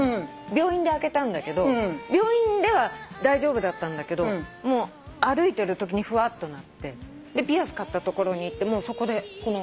病院で開けたんだけど病院では大丈夫だったんだけど歩いてるときにふわっとなってピアス買ったところに行ってそこで。